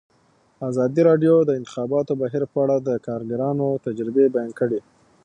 ازادي راډیو د د انتخاباتو بهیر په اړه د کارګرانو تجربې بیان کړي.